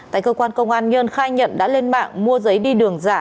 tại cơ quan công an nhơn khai nhận đã lên mạng mua giấy đi đường giả